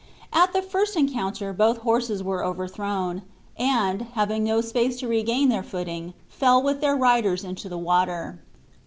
At the first encounter both horses were overthrown; and, having no space to regain their footing, fell with their riders into the water.